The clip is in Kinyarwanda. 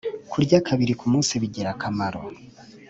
kurya kabiri ku munsi bigira akamaro